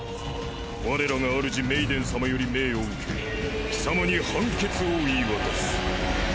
我らがあるじメイデン様より命を受け貴様に判決を言い渡す。